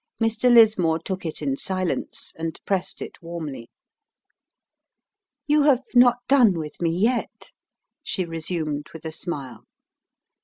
Mr. Lismore took it in silence, and pressed it warmly. "You have not done with me yet," she resumed, with a smile.